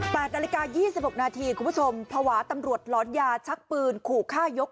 ๘นาฬิกา๒๖นาทีคุณผู้ผู้ผู้ชมภาวะตำรวจหลอนยาจะชักปืนขู่ฆ่ายก